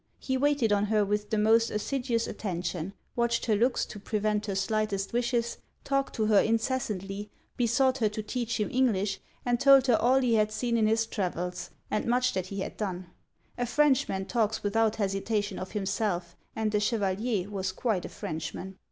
He waited on her with the most assiduous attention, watched her looks to prevent her slightest wishes, talked to her incessantly, besought her to teach him English, and told her all he had seen in his travels, and much that he had done. A Frenchman talks without hesitation of himself, and the Chevalier was quite a Frenchman.